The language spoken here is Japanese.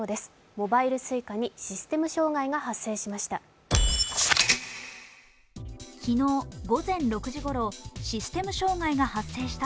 モバイルＳｕｉｃａにシステム障害が発生しました。